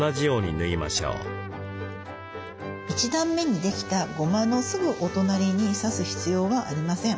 １段目にできたゴマのすぐお隣に刺す必要はありません。